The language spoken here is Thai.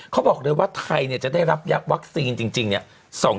เขาบอกเลยว่าไทยจะได้รับยักษ์วัคซีนจริง